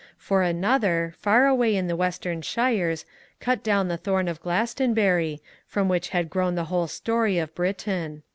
For another, far away in the western shires, cut down the thorn of Glastonbury, from which had grown the whole story of Britain.